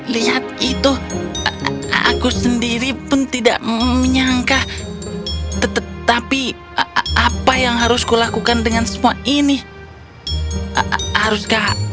lihat itu aku sendiri pun tidak menyangka tetapi apa yang harus kulakukan dengan semua ini haruskah